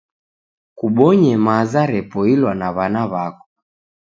Kubonye maza repoilwa na wana wako